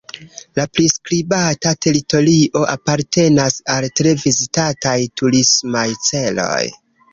La priskribata teritorio apartenas al tre vizitataj turismaj celoj.